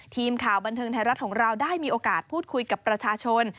ทีมข่าวบันเทิงไทยรัฐของเราได้มีโอกาสพูดคุยกับประชาชน